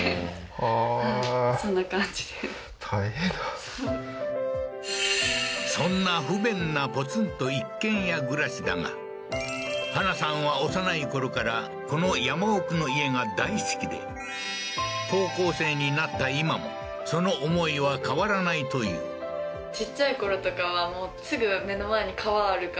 へえーそんな不便なポツンと一軒家暮らしだが花菜さんは幼い頃からこの山奥の家が大好きで高校生になった今もその思いは変わらないといういい感じ